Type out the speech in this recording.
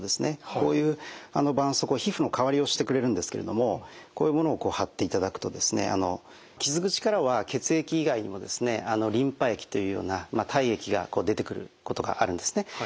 こういうばんそうこう皮膚の代わりをしてくれるんですけれどもこういうものを貼っていただくと傷口からは血液以外にもリンパ液というような体液が出てくることがあるんですね。